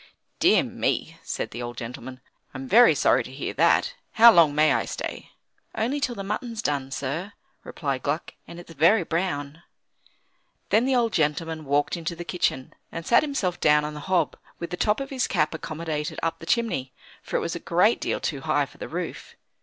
"Dear me," said the old gentleman, "I'm very sorry to hear that. How long may I stay?" "Only till the mutton's done, sir," replied Gluck, "and it's very brown." Then the old gentleman walked into the kitchen, and sat himself down on the hob, with the top of his cap accommodated up the chimney, for it was a great deal too high for the roof.